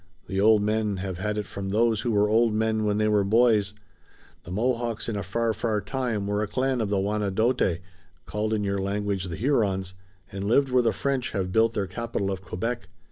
The old men have had it from those who were old men when they were boys. The Mohawks in a far, far time were a clan of the Wanedote, called in your language the Hurons, and lived where the French have built their capital of Quebec.